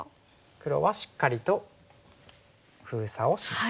黒はしっかりと封鎖をします。